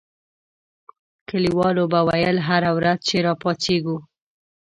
کلیوالو به ویل هره ورځ چې را پاڅېږو.